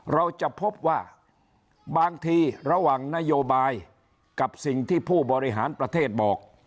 เราจะพบว่าบางทีระหว่างนโยบายกับสิ่งที่ผู้บริหารประเทศบอก